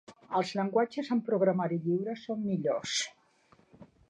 Els llenguatges en programari lliure són millors.